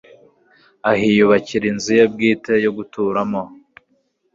ahiyubakira inzu ye bwite yo guturamo